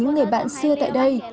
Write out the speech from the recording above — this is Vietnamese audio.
những người bạn xưa tại đây